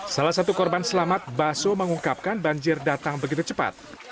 salah satu korban selamat baso mengungkapkan banjir datang begitu cepat